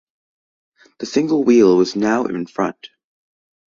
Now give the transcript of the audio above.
The single wheel was now in front.